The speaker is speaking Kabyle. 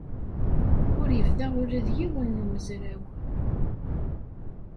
Ur iba ula d yiwen n umezraw.